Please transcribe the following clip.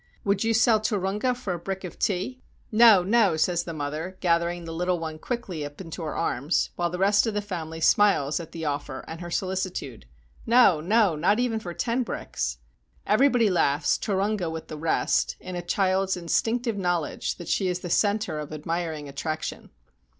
"Will you sell Turunga for a brick of tea?" 194 IN A TARTAR TENT "No, no," says the mother, gathering the little one quickly up into her arms, while the rest of the family smile at the offer and her solicitude. "No, no, not even for ten bricks!" Everybody laughs, Turunga with the rest, in a child's instinctive knowledge that she is the center of admiring attraction.